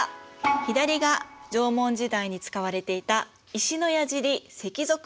左が縄文時代に使われていた石のやじり石鏃。